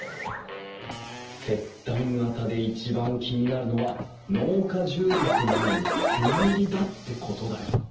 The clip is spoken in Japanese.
摂丹型で一番気になるのは農家住宅なのに妻入りだってことだよ